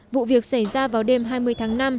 vụ việc xảy ra vào đêm hai mươi tháng năm